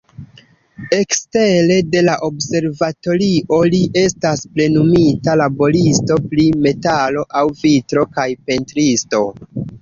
Ekstere de la observatorio, li estas plenumita laboristo pri metalo aŭ vitro kaj pentristo.